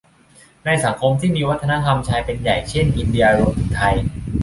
ในสังคมที่มีวัฒนธรรมชายเป็นใหญ่ เช่น อินเดีย รวมถึงไทย